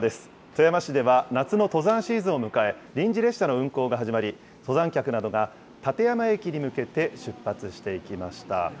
富山市では夏の登山シーズンを迎え、臨時列車の運行が始まり、登山客などが立山駅に向けて出発していきました。